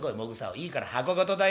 いいから箱ごとだよ。